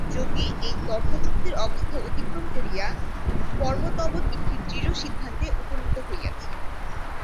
যোগী এই তর্কযুক্তির অবস্থা অতিক্রম করিয়া পর্বতবৎ একটি দৃঢ় সিদ্ধান্তে উপনীত হইয়াছেন।